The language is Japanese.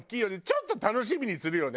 ちょっと楽しみにするよね。